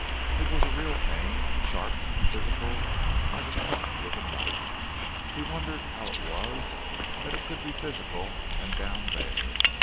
It was a real pain, sharp, physical, like a cut with a knife. He wondered how it was that it could be physical and down there.